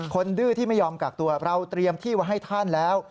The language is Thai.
ดื้อที่ไม่ยอมกักตัวเราเตรียมที่ไว้ให้ท่านแล้ว